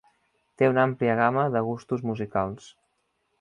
Té una àmplia gamma de gustos musicals.